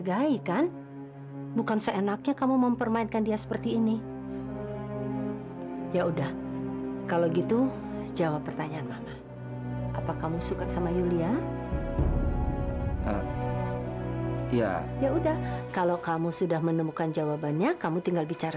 sampai jumpa di video selanjutnya